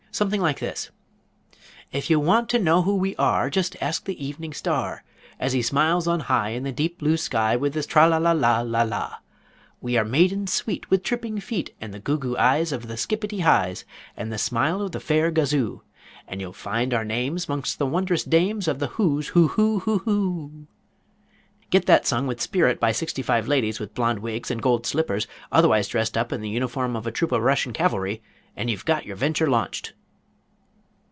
Something like this: "If you want to know who we are, Just ask the Evening Star, As he smiles on high In the deep blue sky, With his tralala la la la. We are maidens sweet With tripping feet, And the Googoo eyes Of the Skippity hi's, And the smile of the fair Gazoo; And you'll find our names 'Mongst the wondrous dames Of the Whos Who hoo hoo hoo. "Get that sung with spirit by sixty five ladies with blonde wigs and gold slippers, otherwise dressed up in the uniform of a troop of Russian Cavalry, and you've got your venture launched."